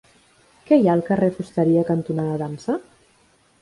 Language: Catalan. Què hi ha al carrer Fusteria cantonada Dansa?